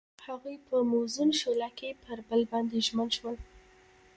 هغوی په موزون شعله کې پر بل باندې ژمن شول.